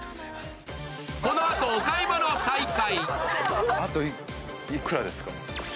このあと、お買い物再開。